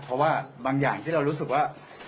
เพราะว่าบางอย่างที่เรารู้สึกว่า